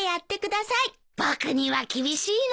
僕には厳しいな。